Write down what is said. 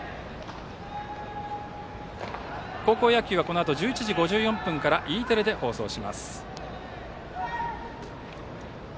高校野球はこのあと１１時５４分からＥテレで放送します。